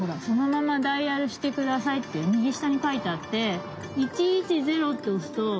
「そのままダイヤルしてください」ってみぎしたにかいてあって「１１０」っておすと。